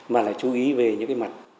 mà lại chú ý về những cái mặt